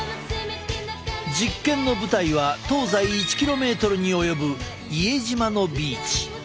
実験の舞台は東西１ｋｍに及ぶ伊江島のビーチ。